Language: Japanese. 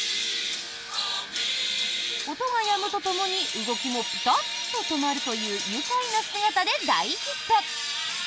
音がやむとともに動きもピタッと止まるという愉快な姿で大ヒット。